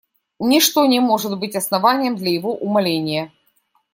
Ничто не может быть основанием для его умаления.